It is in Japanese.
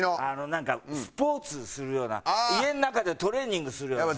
なんかスポーツするような家の中でトレーニングするようなさ。